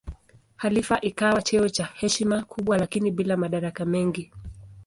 Khalifa ikawa cheo cha heshima kubwa lakini bila madaraka mengi.